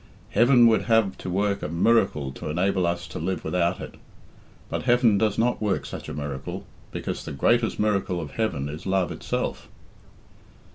Heaven would have to work a miracle to enable us to live without it. But Heaven does not work such a miracle, because the greatest miracle of heaven is love itself."